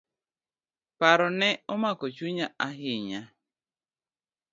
Paro ne omako chunya ahinya.